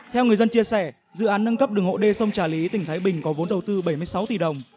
theo người dân chia sẻ dự án nâng cấp đường hộ đê sông trà lý tỉnh thái bình có vốn đầu tư bảy mươi sáu tỷ đồng